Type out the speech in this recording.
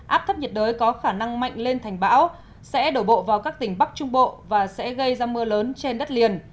áp thấp nhiệt đới có khả năng mạnh lên thành bão sẽ đổ bộ vào các tỉnh bắc trung bộ và sẽ gây ra mưa lớn trên đất liền